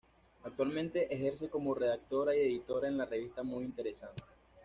Actualmente ejerce como redactora y editora en la revista Muy Interesante.